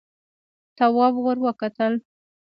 تواب ور وکتل: